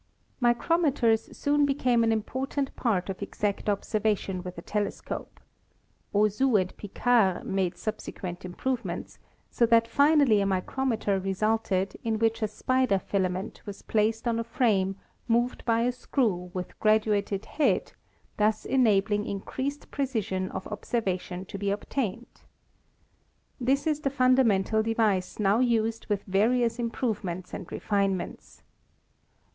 Micrometers soon became an important part of exact observation with a telescope. Auzout and Picard made subsequent improvements, so that finally a micrometer resulted in which a spider filament was placed on a frame moved by a screw with graduated head, thus enabling in creased precision of observation to be obtained. This is the fundamental device now used with various improve ments and refinements.